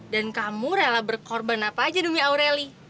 dan kamu rela berkorban apa aja demi aureli